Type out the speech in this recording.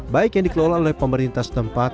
baik yang dikelola oleh pemerintah setempat